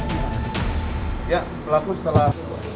ya pelaku setelah